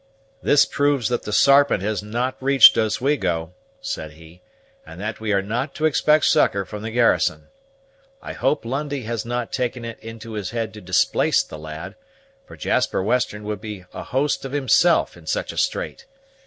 "This proves that the Sarpent has not reached Oswego," said he, "and that we are not to expect succor from the garrison. I hope Lundie has not taken it into his head to displace the lad, for Jasper Western would be a host of himself in such a strait.